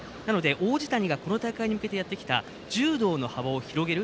王子谷がこの大会に向けてやってきたやってきた柔道の幅を広げる。